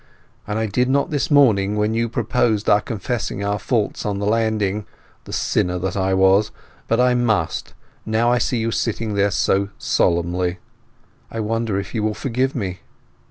And I did not this morning, when you proposed our confessing our faults on the landing—the sinner that I was! But I must, now I see you sitting there so solemnly. I wonder if you will forgive me?"